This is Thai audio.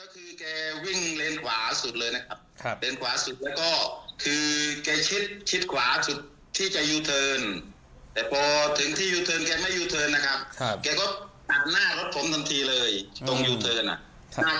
ผมก็เลยลองขับตามสักพันธุ์หนึ่ง